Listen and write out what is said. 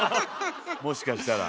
もしかしたら。